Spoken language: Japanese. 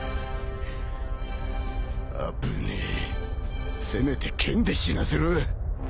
危ねえせめて剣で死なせろ。